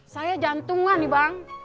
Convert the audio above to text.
saya jantungan bang